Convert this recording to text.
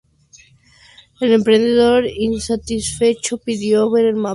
El emperador, insatisfecho, pidió ver el mapa.